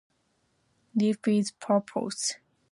Live with Purpose.